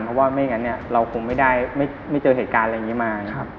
เพราะว่าไม่อย่างนั้นเราคงไม่ได้ไม่เจอเหตุการณ์อะไรอย่างนี้มา